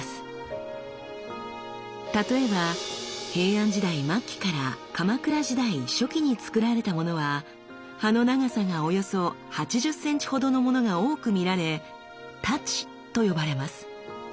例えば平安時代末期から鎌倉時代初期につくられたものは刃の長さがおよそ８０センチほどのものが多く見られ「太刀」と呼ばれます。